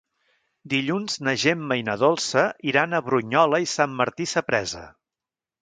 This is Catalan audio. Dilluns na Gemma i na Dolça iran a Brunyola i Sant Martí Sapresa.